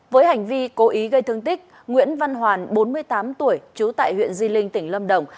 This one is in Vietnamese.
với hành vi cố ý gây thương tích nguyễn văn hoàn bốn mươi tám tuổi trú tại huyện di linh tỉnh lâm đồng